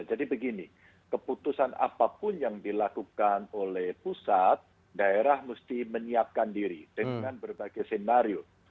jadi begini keputusan apapun yang dilakukan oleh pusat daerah mesti menyiapkan diri dengan berbagai senario